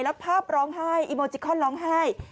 แล้วภาพร้องไห้อีโมจิคอนร้องไห้